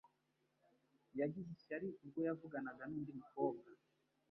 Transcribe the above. Yagize ishyari ubwo yavuganaga nundi mukobwa